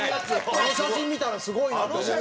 あの写真見たらすごいなと思うけどね。